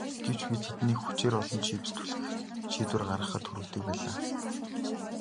Гэвч би тэднийг хүчээр олон чипс түлхэх шийдвэр гаргахад хүргэдэг байлаа.